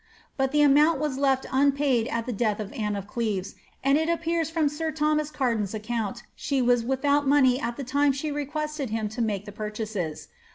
'' But the amount was left unpaid at the death of Anne of Cleves, and it appears from sir Thomas Garden's account, she was without money at the time she requested him to make the par chases.